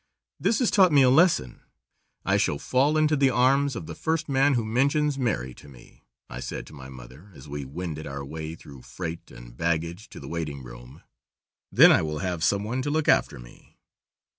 "This has taught me a lesson. I shall fall into the arms of the first man who mentions marry to me," I said to my mother as we wended our way through freight and baggage to the waiting room, "then I will have some one to look after me."